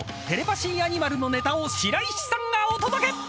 テレパシーアニマルのネタを白石さんがお届け！］